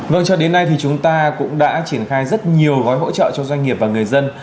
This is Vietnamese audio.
vâng cho đến nay thì chúng ta cũng đã triển khai rất nhiều gói hỗ trợ cho doanh nghiệp và người dân